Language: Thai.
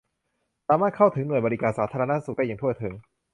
สามารถเข้าถึงหน่วยบริการสาธารณสุขได้อย่างทั่วถึง